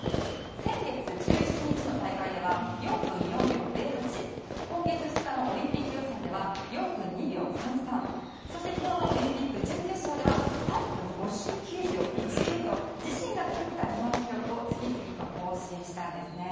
先月１７日の大会では４分４秒０８今月２日のオリンピック予選では４分２秒３３そして昨日のオリンピック準決勝では３分５９秒１９と自身が作った日本記録を次々と更新したんですね。